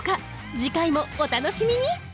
次回もお楽しみに！